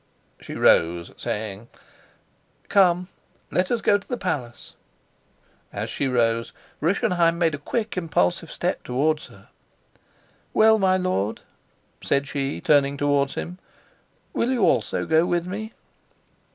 She rose, saying: "Come, let us go to the palace." As she rose, Rischenheim made a quick impulsive step towards her. "Well, my lord," said she, turning towards him, "will you also go with me?"